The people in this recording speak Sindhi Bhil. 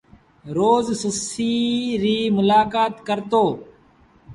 روز سسئيٚ ريٚ ملآڪآت ڪرتو۔